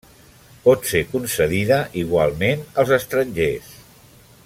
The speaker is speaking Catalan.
Pot ser concedida igualment als estrangers.